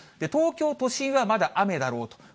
東京都心はまだ雨だろうと。